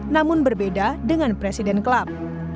namun berbeda dengan presiden klub